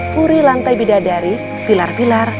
puri lantai bidadari pilar pilar